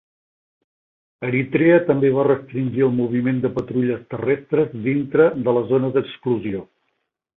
Eritrea també va restringir el moviment de patrulles terrestres dintre de la zona d'exclusió.